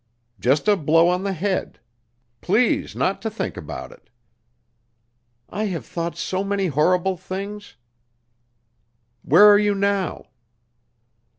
"Just a blow on the head. Please not to think about it." "I have thought so many horrible things." "Where are you now?"